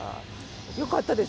よかったです。